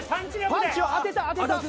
パンチを当てた当てた。